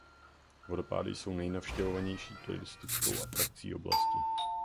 Vodopády jsou nejnavštěvovanější turistickou atrakcí oblasti.